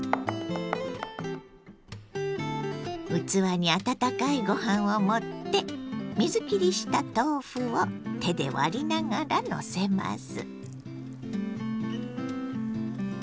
器に温かいご飯を盛って水きりした豆腐を手で割りながらのせます。